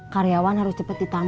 karyawan harus cepat ditingkatkan